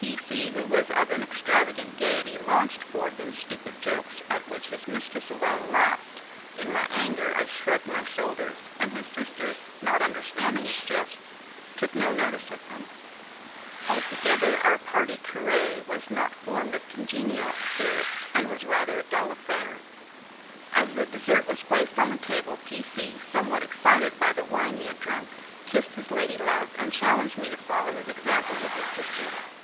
P C , who was of an extravagant gaiety, launched forth in stupid jokes at which his mistress alone laughed; in my anger, I shrugged my shoulders, and his sister, not understanding his jests, took no notice of them. Altogether our 'partie caree' was not formed of congenial spirits, and was rather a dull affair. As the dessert was placed on the table, P C , somewhat excited by the wine he had drunk, kissed his lady love, and challenged me to follow his example with his sister.